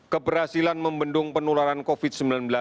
keberhasilan membendung penularan covid sembilan belas